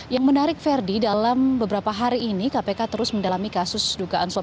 yang menarik ferdi dalam beberapa hari ini kpk terus mendalami kasus dugaan suap